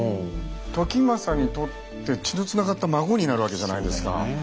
時政にとって血のつながった孫になるわけじゃないですか。